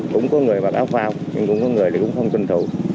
cũng có người mặc áo phao nhưng cũng có người thì cũng không tranh thủ